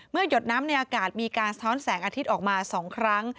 หยดน้ำในอากาศมีการสะท้อนแสงอาทิตย์ออกมา๒ครั้ง